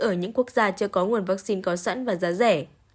ở những quốc gia chưa có nguồn vaccine có sẵn và giá rẻ